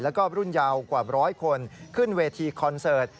แล้วก็รุ่นยาวกว่าร้อยคนขึ้นเวทีคอนเสิร์ต